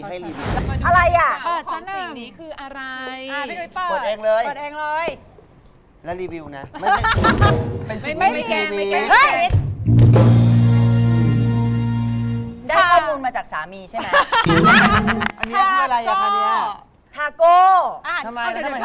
ซามีชอบฉันไม่ชอบ